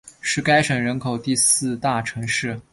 是该省人口第四大城市。